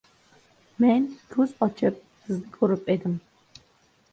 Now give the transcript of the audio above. Men ko‘z ochib, sizni ko‘rib edim...